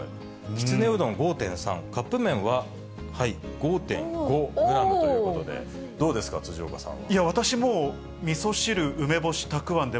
きつねうどん５．３、カップ麺は５．５グラムということで、いや、私もう、みそ汁、梅干し、たくあんで、